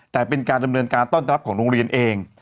แต่เป็นการดำเนินการต้อนรับของโรงเรียนเอง